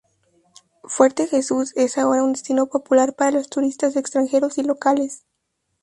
Fuerte Jesús es ahora un destino popular para los turistas extranjeros y locales.